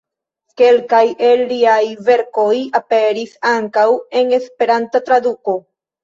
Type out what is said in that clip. Kelkaj el liaj verkoj aperis ankaŭ en Esperanta traduko.